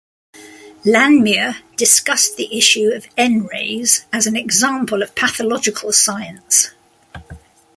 Langmuir discussed the issue of N-rays as an example of pathological science.